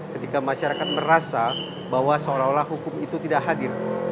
ketika masyarakat merasa bahwa seolah olah hukum itu tidak hadir